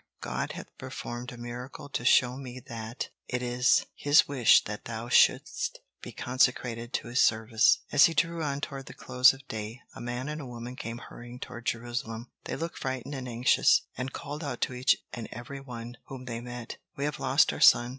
God hath performed a miracle to show me that it is His wish that thou shouldst be consecrated to His service." As it drew on toward the close of day, a man and a woman came hurrying toward Jerusalem. They looked frightened and anxious, and called out to each and every one whom they met: "We have lost our son!